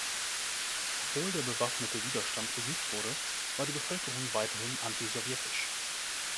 Obwohl der bewaffnete Widerstand besiegt wurde, war die Bevölkerung weiterhin antisowjetisch.